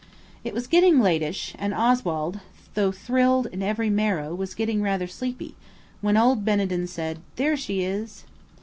It was getting latish, and Oswald, though thrilled in every marrow, was getting rather sleepy, when old Benenden said, "There she is!"